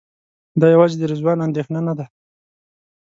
دا یوازې د رضوان اندېښنه نه ده.